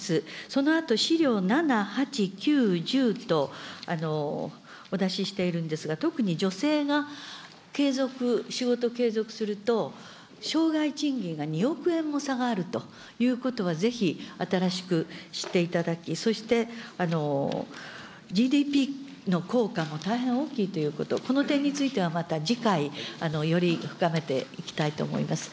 そのあと、資料７、８、９、１０と、お出ししているんですが、特に女性が継続、仕事を継続すると、生涯賃金が２億円も差があるということ、ぜひ新しく知っていただき、そしてＧＤＰの効果も大変大きいということ、この点についてはまた次回、より深めていきたいと思います。